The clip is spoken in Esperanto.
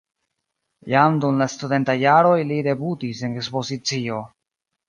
Jam dum la studentaj jaroj li debutis en ekspozicio.